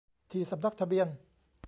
ที่สำนักทะเบียน